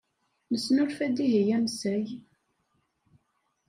Nesnulfa-d ihi ansay.